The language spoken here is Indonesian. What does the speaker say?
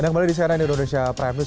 anda kembali di cnn indonesia prime news